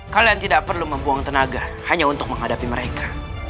kalian tidak perlu membuang tenaga hanya untuk menghadapi mereka